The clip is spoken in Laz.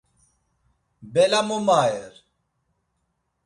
Bela mo mayer.